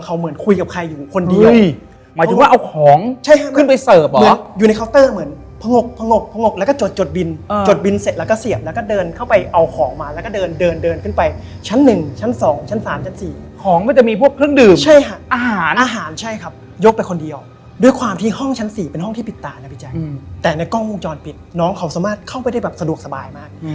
ตามจำนวนที่พี่ผู้จักรการต้องการครับผม